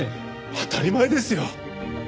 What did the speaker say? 当たり前ですよ！